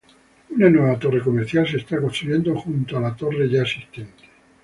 Una nueva torre comercial se está construyendo junto a la torre existente.